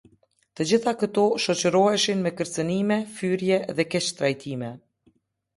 Të gjitha këto shoqëroheshin me kërcënime, fyerje dhe keqtrajtime.